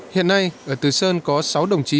hiện nay ở thứ sơn có sáu đồng chí